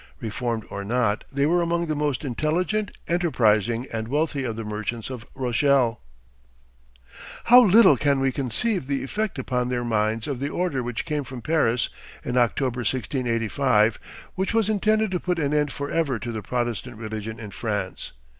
Reformed or not, they were among the most intelligent, enterprising, and wealthy of the merchants of Rochelle. How little we can conceive the effect upon their minds of the order which came from Paris in October, 1685, which was intended to put an end forever to the Protestant religion in France.